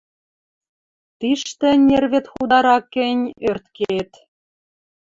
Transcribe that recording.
Тиштӹ, нервет хударак гӹнь, ӧрткет